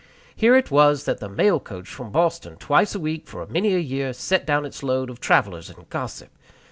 Here it was that the mail coach from Boston twice a week, for many a year, set down its load of travelers and gossip.